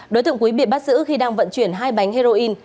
đối tượng quý bị bắt giữ khi đang vận chuyển hai bánh heroin